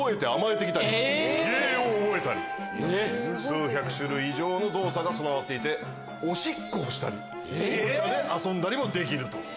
数百種類以上の動作が備わっていておしっこをしたりオモチャで遊んだりもできる。